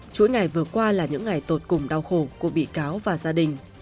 chuỗi ngày vừa qua là những ngày tột cùng đau khổ của bị cáo và gia đình